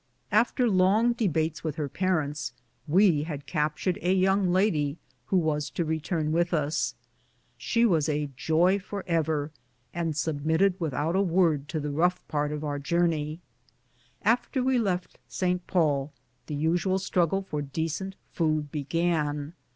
After long debates with her parents, we had captured a young lady who was to return with us. She was a "joy forever," and submitted without a word to the rough part of our journey. After we left St. Paul, the usual struggle for decent food began.